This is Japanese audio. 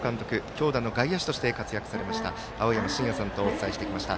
強打の外野手として活躍されました青山眞也さんとお伝えしてきました。